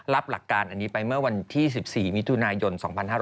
หลักการอันนี้ไปเมื่อวันที่๑๔มิถุนายน๒๕๕๙